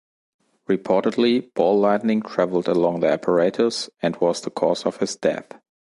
Reportedly, ball lightning traveled along the apparatus and was the cause of his death.